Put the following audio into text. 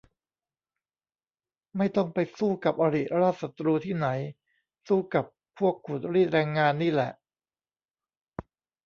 ไม่ต้องไปสู้กับอริราชศัตรูที่ไหน สู้กับพวกขูดรีดแรงงานนี่แหละ